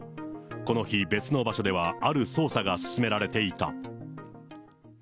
この日、別の場所では、ある捜査が進められていた。